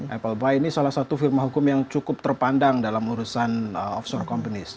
apple buy ini salah satu firma hukum yang cukup terpandang dalam urusan offshore companies